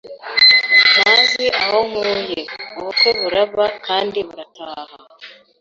ntazi aho nkuye, ubukwe buraba kandi burataha